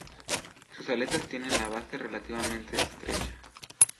Sus aletas tienen la base relativamente estrecha.